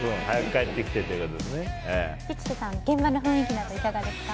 吉瀬さん、現場の雰囲気などはいかがですか？